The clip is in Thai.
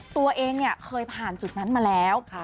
ตัวเองเคยผ่านจุดนั้นมาแล้ว